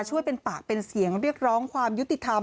ช่วยเป็นปากเป็นเสียงเรียกร้องความยุติธรรม